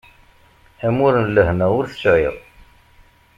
Amur n lehna ur t-sεiɣ.